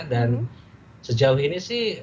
dan sejauh ini sih